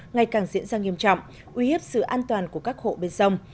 ngày càng diễn ra nghiêm trọng uy hiếp sự an toàn của các hộ bên sông